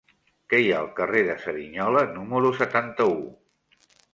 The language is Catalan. Què hi ha al carrer de Cerignola número setanta-u?